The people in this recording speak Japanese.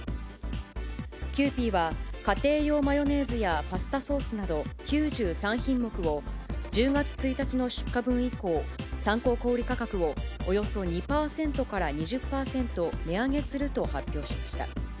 キユーピーは、家庭用マヨネーズやパスタソースなど９３品目を１０月１日の出荷分以降、参考小売価格をおよそ２％から２０％値上げすると発表しました。